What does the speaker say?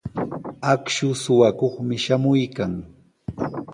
Akshu suqakuqmi shamuykan.